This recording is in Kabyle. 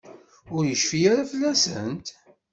Ur yecfi ara fell-asent?